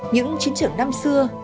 những chiến trường năm xưa